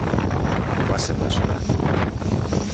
Goazen basora.